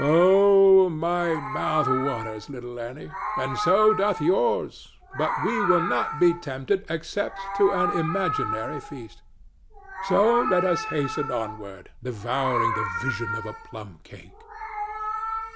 Oh, my mouth waters, little Annie, and so doth yours, but we will not be tempted except to an imaginary feast; so let us hasten onward devouring the vision of a plum cake.